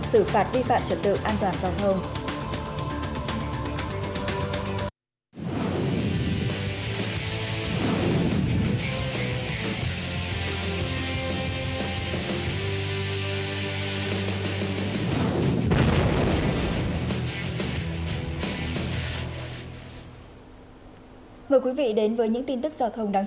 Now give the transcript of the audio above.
xử phạt vi phạm trật tự an toàn giao thông